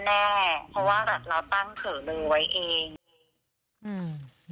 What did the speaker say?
เพราะว่าเราตั้งเผื่อเลยไว้เอง